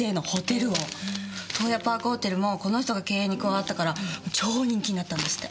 洞爺パークホテルもこの人が経営に加わったから超人気になったんですって。